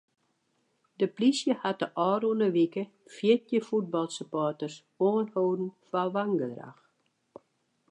De plysje hat de ôfrûne wike fjirtjin fuotbalsupporters oanholden foar wangedrach.